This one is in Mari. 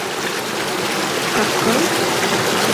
— Капкыл?